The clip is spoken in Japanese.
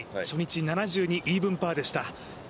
初日７２、イーブンパーでした。